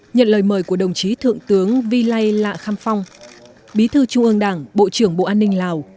nhận lời mời của đồng chí thượng tướng vy lai lạ kham phong bí thư trung ương đảng bộ trưởng bộ an ninh lào